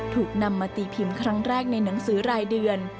ถูกนำมาตีพิมพ์ครั้งแรกในหนังสือรายเดือน